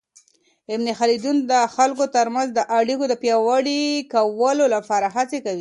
ابن خلدون د خلګو ترمنځ د اړیکو د پياوړي کولو لپاره هڅه کوي.